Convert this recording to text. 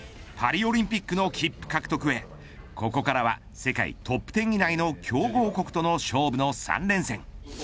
パリオリンピックの切符獲得へここからは世界トップ１０以内の強豪国との勝負の３連戦。